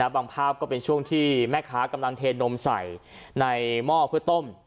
บางภาพก็เป็นช่วงที่แม่ค้ากำลังเทนมใส่ในหม้อเพื่อต้ม